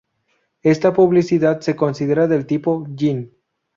Esta publicidad se considera del tipo ",gin.